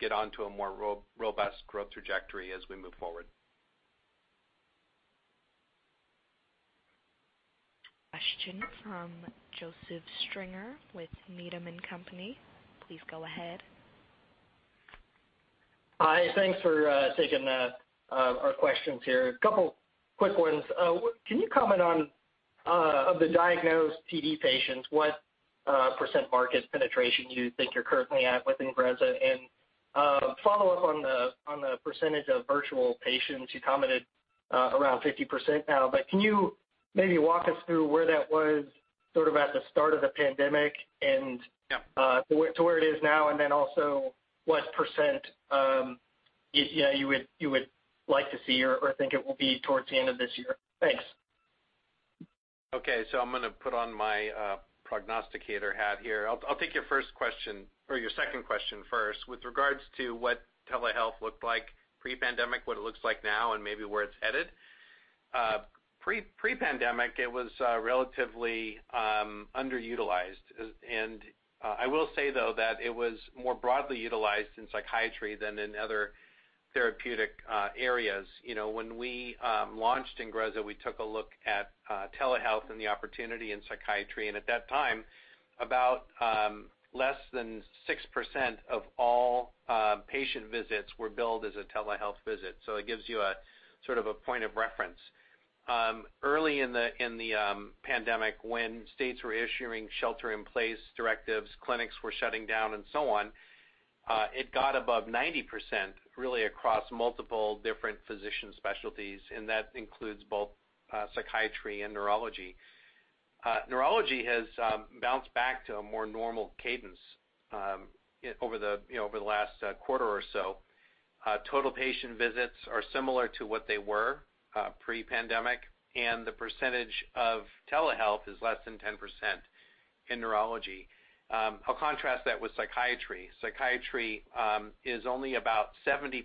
get onto a more robust growth trajectory as we move forward. Question from Joseph Stringer with Needham & Company. Please go ahead. Hi, thanks for taking our questions here. A couple quick ones. Can you comment on the diagnosed TD patients, what percent market penetration you think you're currently at with INGREZZA? Follow up on the percentage of virtual patients. You commented around 50% now, but can you maybe walk us through where that was sort of at the start of the pandemic and to where it is now, and then also what percent you would like to see or think it will be towards the end of this year? Thanks. Okay, I'm going to put on my prognosticator hat here. I'll take your first question or your second question first with regards to what telehealth looked like pre-pandemic, what it looks like now, and maybe where it's headed. Pre-pandemic, it was relatively underutilized. I will say though that it was more broadly utilized in psychiatry than in other therapeutic areas. When we launched INGREZZA, we took a look at telehealth and the opportunity in psychiatry, and at that time, about less than 6% of all patient visits were billed as a telehealth visit. It gives you a sort of a point of reference. Early in the pandemic, when states were issuing shelter-in-place directives, clinics were shutting down and so on, it got above 90% really across multiple different physician specialties, and that includes both psychiatry and neurology. Neurology has bounced back to a more normal cadence over the last quarter or so. Total patient visits are similar to what they were pre-pandemic, and the percentage of telehealth is less than 10% in neurology. I'll contrast that with psychiatry. Psychiatry is only about 70%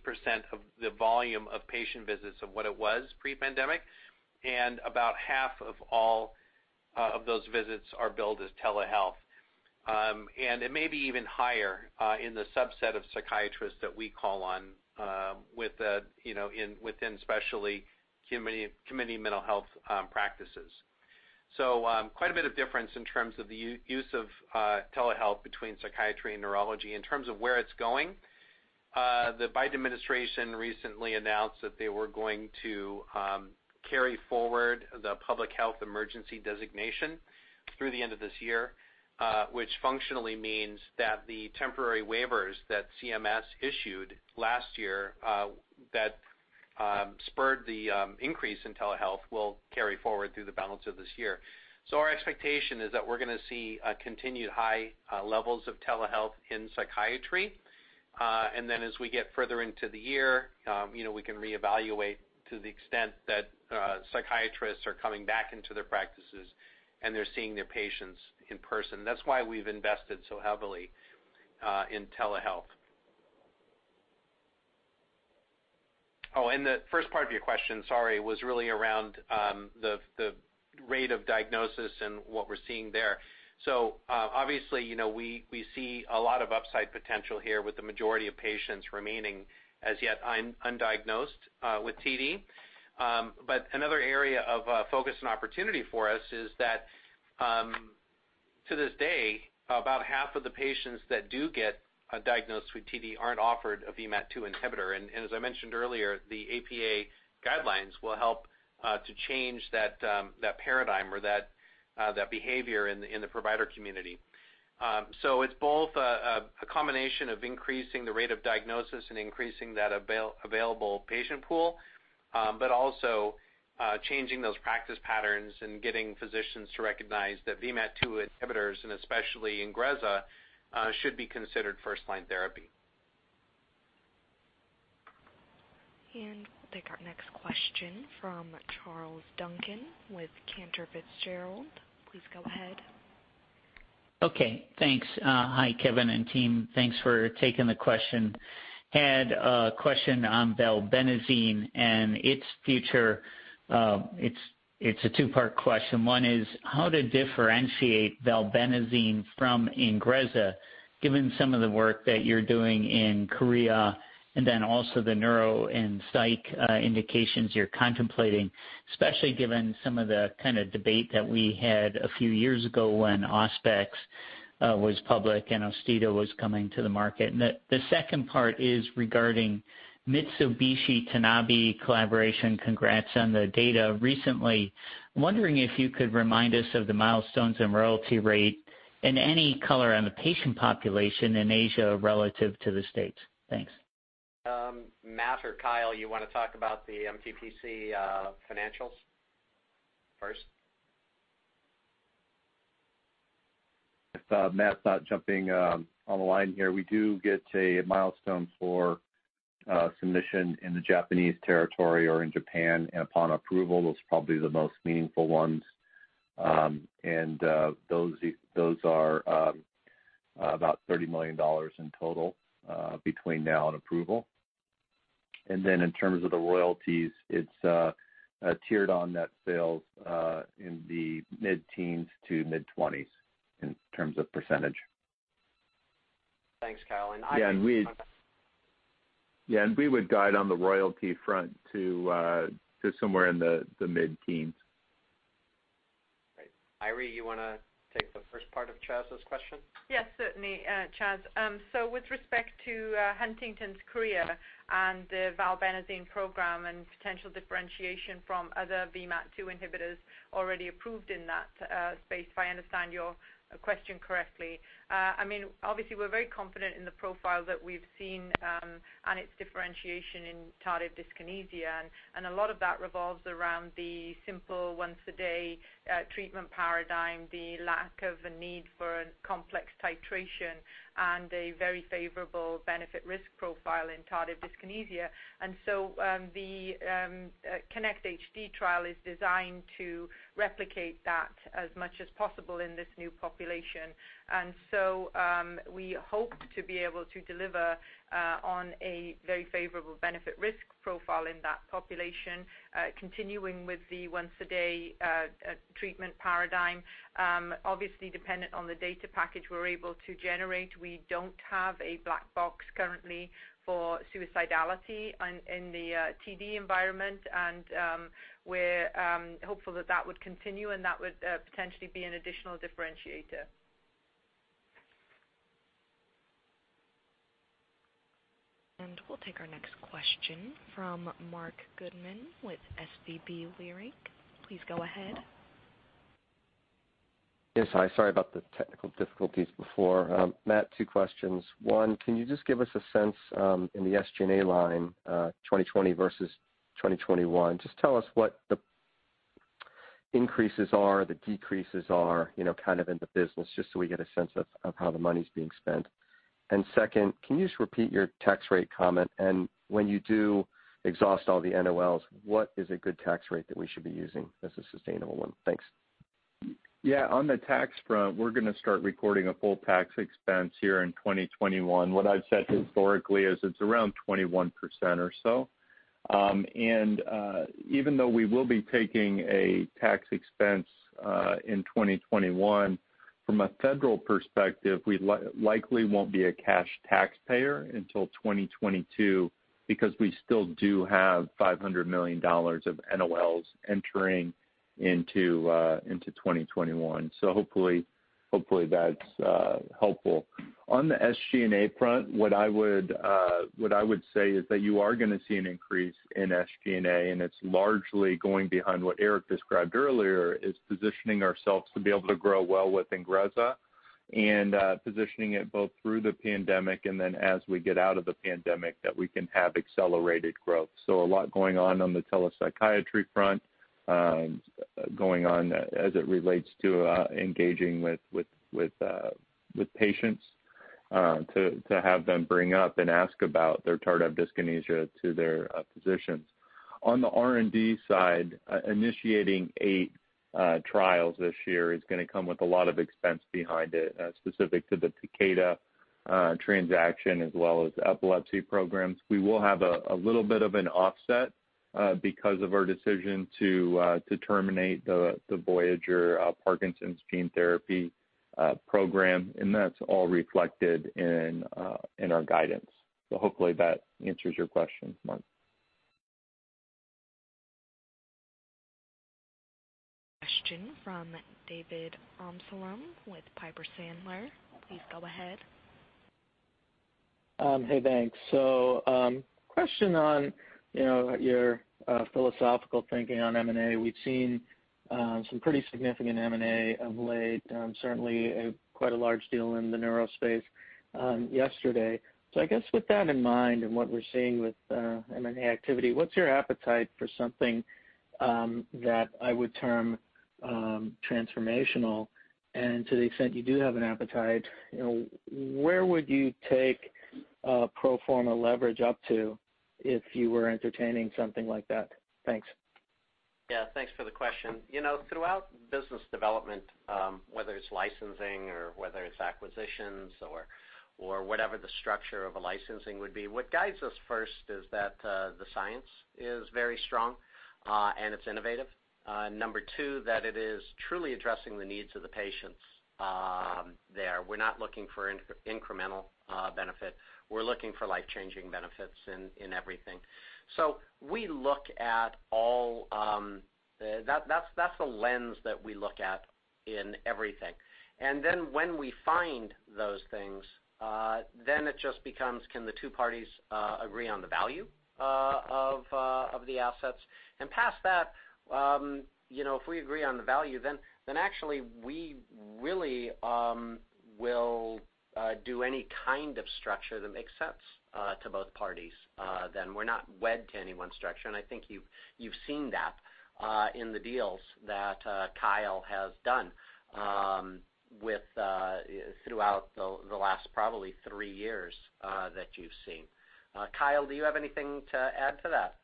of the volume of patient visits of what it was pre-pandemic, and about half of all of those visits are billed as telehealth. It may be even higher in the subset of psychiatrists that we call on within, especially, community mental health practices. Quite a bit of difference in terms of the use of telehealth between psychiatry and neurology. In terms of where it's going, the Biden administration recently announced that they were going to carry forward the public health emergency designation through the end of this year, which functionally means that the temporary waivers that CMS issued last year that spurred the increase in telehealth will carry forward through the balance of this year. Our expectation is that we're going to see continued high levels of telehealth in psychiatry. As we get further into the year, we can reevaluate to the extent that psychiatrists are coming back into their practices and they're seeing their patients in person. That's why we've invested so heavily in telehealth. The first part of your question, sorry, was really around the rate of diagnosis and what we're seeing there. Obviously, we see a lot of upside potential here with the majority of patients remaining as yet undiagnosed with TD. Another area of focus and opportunity for us is that to this day, about half of the patients that do get diagnosed with TD aren't offered a VMAT2 inhibitor. As I mentioned earlier, the APA guidelines will help to change that paradigm or that behavior in the provider community. It's both a combination of increasing the rate of diagnosis and increasing that available patient pool, but also changing those practice patterns and getting physicians to recognize that VMAT2 inhibitors, and especially INGREZZA, should be considered first-line therapy. We'll take our next question from Charles Duncan with Cantor Fitzgerald. Please go ahead. Okay, thanks. Hi, Kevin and team. Thanks for taking the question. Had a question on valbenazine and its future. It is a two-part question. One is how to differentiate valbenazine from INGREZZA, given some of the work that you are doing in chorea. Then also the neuro and psych indications you are contemplating, especially given some of the kind of debate that we had a few years ago when Auspex was public and AUSTEDO was coming to the market. The second part is regarding Mitsubishi Tanabe collaboration. Congrats on the data recently. I am wondering if you could remind us of the milestones and royalty rate and any color on the patient population in Asia relative to the States. Thanks. Matt or Kyle, you want to talk about the MTPC financials first? If Matt's not jumping on the line here, we do get a milestone for submission in the Japanese territory or in Japan upon approval. Those are probably the most meaningful ones. Those are about $30 million in total between now and approval. In terms of the royalties, it's tiered on net sales in the mid-teens to mid-20s in terms of percentage. Thanks, Kyle. Yeah, we would guide on the royalty front to somewhere in the mid-teens. Right. Eiry, you want to take the first part of Charles' question? Yes, certainly, Charles. With respect to Huntington's chorea and the valbenazine program and potential differentiation from other VMAT2 inhibitors already approved in that space, if I understand your question correctly. Obviously, we're very confident in the profile that we've seen and its differentiation in tardive dyskinesia, and a lot of that revolves around the simple once-a-day treatment paradigm, the lack of a need for a complex titration, and a very favorable benefit-risk profile in tardive dyskinesia. The KINECT-HD trial is designed to replicate that as much as possible in this new population. We hope to be able to deliver on a very favorable benefit-risk profile in that population, continuing with the once-a-day treatment paradigm. Obviously dependent on the data package we're able to generate. We don't have a black box currently for suicidality in the TD environment. We're hopeful that that would continue, and that would potentially be an additional differentiator. We'll take our next question from Marc Goodman with SVB Leerink. Please go ahead. Yes. Hi. Sorry about the technical difficulties before. Matt, two questions. One, can you just give us a sense in the SG&A line 2020 versus 2021? Just tell us what the increases are, the decreases are, kind of in the business, just so we get a sense of how the money's being spent. Second, can you just repeat your tax rate comment? When you do exhaust all the NOLs, what is a good tax rate that we should be using as a sustainable one? Thanks. Yeah. On the tax front, we're going to start recording a full tax expense here in 2021. What I've said historically is it's around 21% or so. Even though we will be taking a tax expense in 2021, from a federal perspective, we likely won't be a cash taxpayer until 2022 because we still do have $500 million of NOLs entering into 2021. Hopefully that's helpful. On the SG&A front, what I would say is that you are going to see an increase in SG&A, and it's largely going behind what Eric described earlier, is positioning ourselves to be able to grow well with INGREZZA and positioning it both through the pandemic and then as we get out of the pandemic that we can have accelerated growth. A lot going on on the telepsychiatry front, going on as it relates to engaging with patients to have them bring up and ask about their tardive dyskinesia to their physicians. On the R&D side, initiating eight trials this year is going to come with a lot of expense behind it, specific to the Takeda transaction as well as epilepsy programs. We will have a little bit of an offset because of our decision to terminate the Voyager Parkinson's gene therapy program, and that's all reflected in our guidance. Hopefully that answers your question, Marc. Question from David Amsellem with Piper Sandler. Please go ahead. Hey, thanks. Question on your philosophical thinking on M&A. We've seen some pretty significant M&A of late, certainly quite a large deal in the neuro space yesterday. I guess with that in mind and what we're seeing with M&A activity, what's your appetite for something that I would term transformational? To the extent you do have an appetite, where would you take pro forma leverage up to if you were entertaining something like that? Thanks. Yeah, thanks for the question. Throughout business development, whether it's licensing or whether it's acquisitions or whatever the structure of a licensing would be, what guides us first is that the science is very strong and it's innovative. Number two, that it is truly addressing the needs of the patients there. We're not looking for incremental benefit. We're looking for life-changing benefits in everything. That's the lens that we look at in everything. When we find those things, then it just becomes can the two parties agree on the value of the assets? Past that, if we agree on the value, then actually we really will do any kind of structure that makes sense to both parties then. We're not wed to any one structure. I think you've seen that in the deals that Kyle has done throughout the last probably three years that you've seen. Kyle, do you have anything to add to that?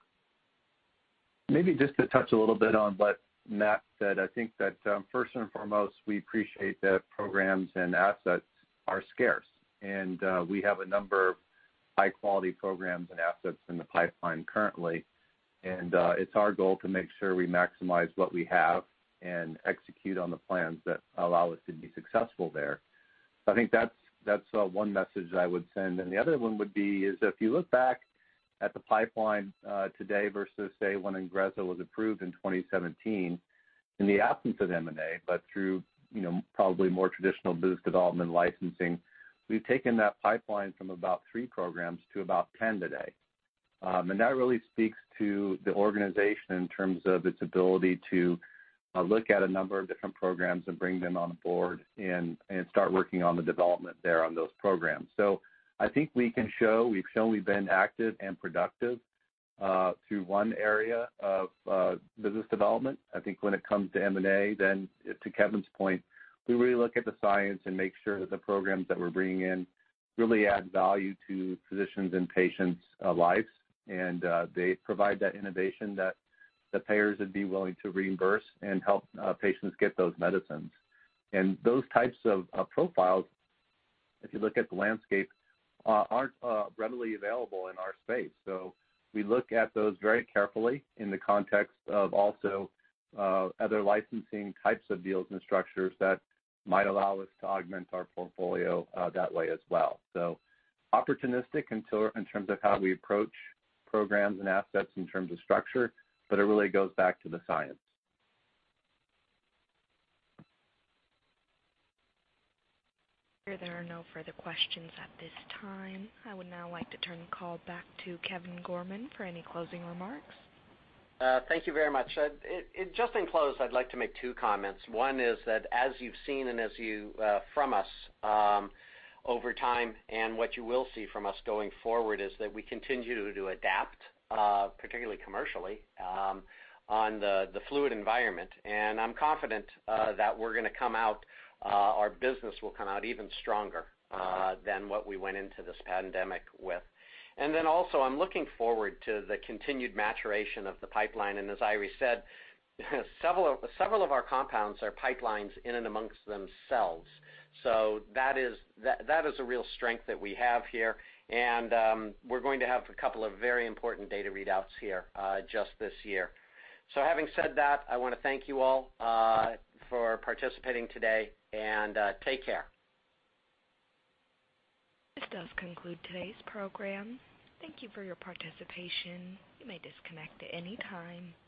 Maybe just to touch a little bit on what Matt said. I think that first and foremost, we appreciate that programs and assets are scarce. We have a number of high-quality programs and assets in the pipeline currently, and it's our goal to make sure we maximize what we have and execute on the plans that allow us to be successful there. I think that's one message that I would send. The other one would be is if you look back at the pipeline today versus, say, when INGREZZA was approved in 2017, in the absence of M&A, but through probably more traditional business development licensing, we've taken that pipeline from about three programs to about 10 today. That really speaks to the organization in terms of its ability to look at a number of different programs and bring them on board and start working on the development there on those programs. I think we've shown we've been active and productive through one area of business development. I think when it comes to M&A, then to Kevin's point, we really look at the science and make sure that the programs that we're bringing in really add value to physicians' and patients' lives, and they provide that innovation that the payers would be willing to reimburse and help patients get those medicines. Those types of profiles, if you look at the landscape, aren't readily available in our space. We look at those very carefully in the context of also other licensing types of deals and structures that might allow us to augment our portfolio that way as well. Opportunistic in terms of how we approach programs and assets in terms of structure, but it really goes back to the science. There are no further questions at this time. I would now like to turn the call back to Kevin Gorman for any closing remarks. Thank you very much. Just in close, I'd like to make two comments. One is that as you've seen from us over time, and what you will see from us going forward is that we continue to adapt, particularly commercially, on the fluid environment. I'm confident that our business will come out even stronger than what we went into this pandemic with. Also, I'm looking forward to the continued maturation of the pipeline. As Eiry said, several of our compounds are pipelines in and amongst themselves. That is a real strength that we have here, and we're going to have a couple of very important data readouts here just this year. Having said that, I want to thank you all for participating today, and take care. This does conclude today's program. Thank you for your participation. You may disconnect at any time.